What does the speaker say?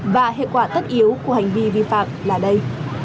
và hệ quả tất yếu của hành vi vi phạm là đây